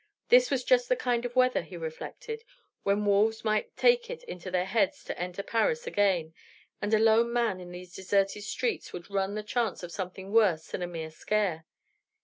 This was just the kind of weather, he reflected, when wolves might take it into their heads to enter Paris again; and a lone man in these deserted streets would run the chance of something worse than a mere scare.